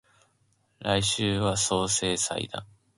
来週は相生祭だ